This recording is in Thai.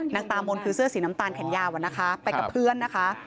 ตามนคือเสื้อสีน้ำตาลแขนยาวอะนะคะไปกับเพื่อนนะคะ